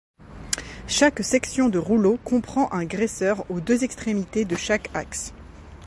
Chaque section de rouleau comprend un graisseur aux deux extrémités de chaque axe.